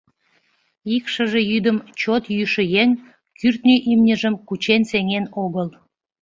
Ик шыже йӱдым чот йӱшӧ еҥ кӱртньӧ имньыжым кучен сеҥен огыл.